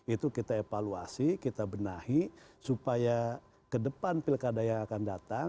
itu kita evaluasi kita benahi supaya ke depan pilkada yang akan datang